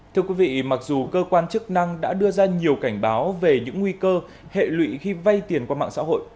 thưa quý vị mặc dù cơ quan chức năng đã đưa ra nhiều cảnh báo về những nguy cơ hệ lụy khi vay tiền qua mạng xã hội